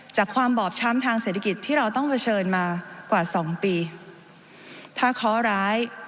จากความบอบช้ำทางเศรษฐกิจที่เราต้องเผชิญมากว่าสองปีถ้าเคาะร้าย